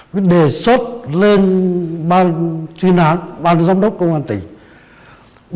cứ đề xuất lên ban chuyên án ban giám đốc công an tỉnh